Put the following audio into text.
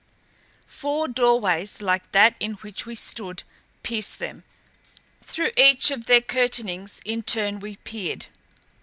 Four doorways like that in which we stood pierced them. Through each of their curtainings in turn we peered.